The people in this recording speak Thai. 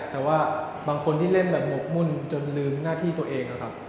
แต่ว่าบางคนที่เล่นแบบหมกมุ่นจนลืมหน้าที่ตัวเองนะครับ